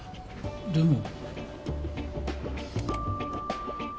でも。